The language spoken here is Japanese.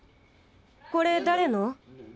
これ誰の？